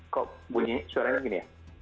kok bunyi suaranya gini ya